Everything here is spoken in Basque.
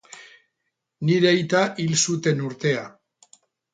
Nire aita hil zuten urtea.